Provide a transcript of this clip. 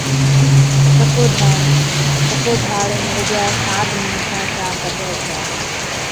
سکوڍاڙ، سکوڍاڙ رُگَي ساد ماڻسا چا ڪجَي ڇَي